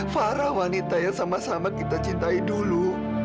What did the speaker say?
farah wanita yang sama sama kita cintai dulu